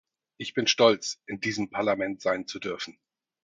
Ich bin stolz, in diesem Parlament sein zu dürfen!